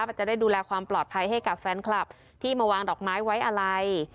มันจะได้ดูแลความปลอดภัยให้กับแฟนคลับที่มาวางดอกไม้ไว้อะไร